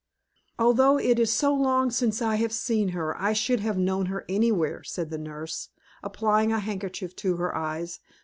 "Although it is so long since I have seen her, I should have known her anywhere," said the nurse, applying a handkerchief to her eyes.